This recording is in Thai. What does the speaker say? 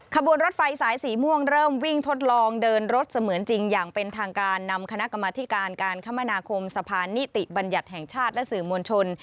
ขบวนรถไฟสายสีม่วงเริ่มวิ่งทดลองเดินรถเสมือนจริงอย่างเป็นทางการนำคณะกรรมธิการการคมนาคมสะพานนิติบัญญัติแห่งชาติและสื่อมวลชน